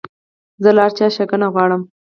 زه له هر چا ښېګڼه غواړم.